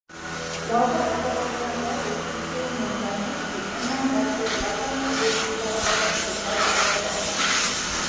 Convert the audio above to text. Wabak koronavirus itu menjangkiti enam ratus lapan puluh juta orang secara global.